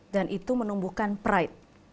dan itu menumbuhkan pride